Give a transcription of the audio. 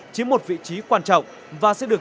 chiếm một vị trí quan trọng và sẽ được